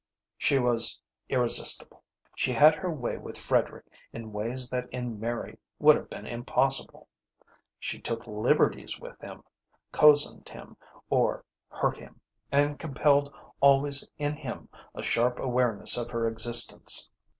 She was irresistible. She had her way with Frederick in ways that in Mary would have been impossible. She took liberties with him, cosened him or hurt him, and compelled always in him a sharp awareness of her existence.